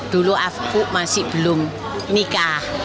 dulu afku masih belum nikah